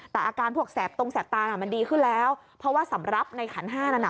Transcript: แต่อาการพวกแสบตรงแสบตาน่ะมันดีขึ้นแล้วเพราะว่าสำหรับในขันห้านั้นน่ะ